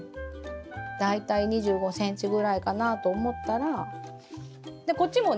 大体２５ｃｍぐらいかなあと思ったらでこっちもね